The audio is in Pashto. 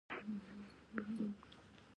هغه په هغو وختونو کې چې اړتیا نلري سپما کوي